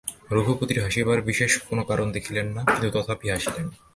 রঘুপতি হাসিবার বিশেষ কোনো কারণ দেখিলেন না, কিন্তু তথাপি হাসিলেন।